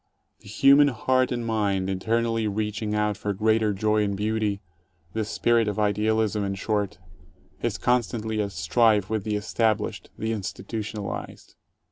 The human heart and mind, eternally reaching out for greater joy and beauty — the spirit of idealism, in short — is con stantly at strife with the established, the institutionalized.